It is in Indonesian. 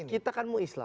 jadi kita kan mau islah